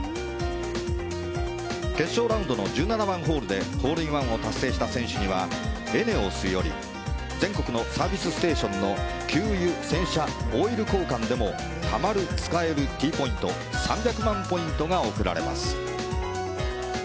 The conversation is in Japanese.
決勝ラウンドの１７番ホールでホールインワンを達成した選手にはエネオスより全国のサービスステーションの給油、洗車、オイル交換でもたまる、使えるＴポイント３００万ポイントが贈られます。